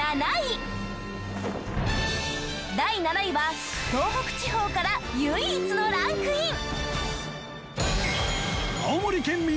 第７位は東北地方から唯一のランクイン！